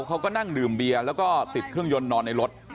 เขาก็นั่งดื่มเบียร์แล้วก็ติดเครื่องยนต์นอนในรถ